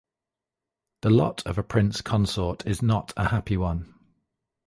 The lot of a prince consort is not a happy one.